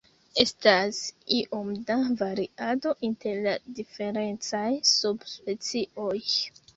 Estas iom da variado inter la diferencaj subspecioj.